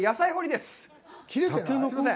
すんません。